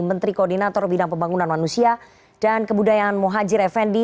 menteri koordinator bidang pembangunan manusia dan kebudayaan muhajir effendi